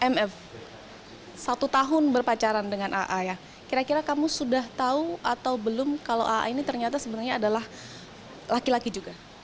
mf satu tahun berpacaran dengan aa ya kira kira kamu sudah tahu atau belum kalau aa ini ternyata sebenarnya adalah laki laki juga